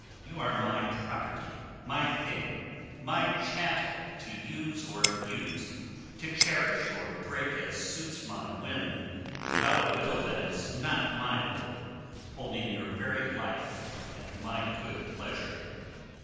You are my property, my thing, my chattel, to use or abuse, to cherish or break as suits my whim, without a will that is not my will, holding your very life at my good pleasure."